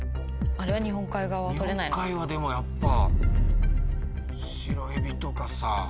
日本海はでもやっぱ白エビとかさ。